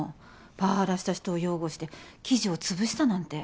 パワハラした人を擁護して記事を潰したなんて。